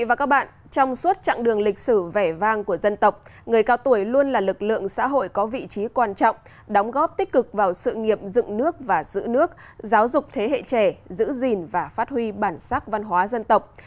và các bạn trong suốt chặng đường lịch sử vẻ vang của dân tộc người cao tuổi luôn là lực lượng xã hội có vị trí quan trọng đóng góp tích cực vào sự nghiệp dựng nước và giữ nước giáo dục thế hệ trẻ giữ gìn và phát huy bản sắc văn hóa dân tộc